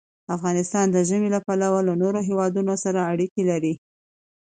افغانستان د ژمی له پلوه له نورو هېوادونو سره اړیکې لري.